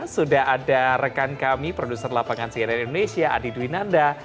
sudah ada rekan kami produser lapangan siaran indonesia adi dwi nanda